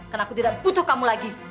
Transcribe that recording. karena aku tidak butuh kamu lagi